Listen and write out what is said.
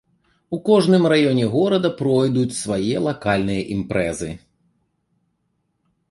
У кожным раёне горада пройдуць свае лакальныя імпрэзы.